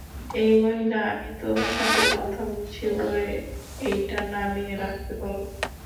এই মহিলা আমি তোর সাথে কথা বলছি, ওরে এইটা নামিয়ে রাখতে বল।